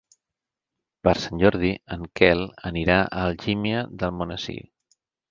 Per Sant Jordi en Quel anirà a Algímia d'Almonesir.